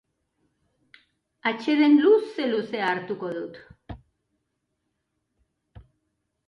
Atseden luze-luzea hartuko dut.